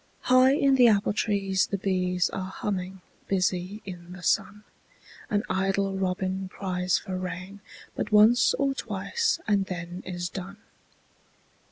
High in the apple trees the bees Are humming, busy in the sun, An idle robin cries for rain But once or twice and then is done.